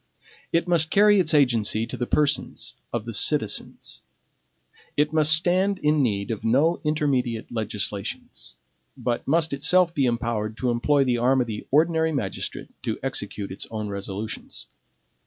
It must carry its agency to the persons of the citizens. It must stand in need of no intermediate legislations; but must itself be empowered to employ the arm of the ordinary magistrate to execute its own resolutions.